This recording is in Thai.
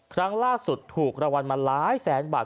ครั้งล่าสุดถูกรางวัลมาหลายแสนบาท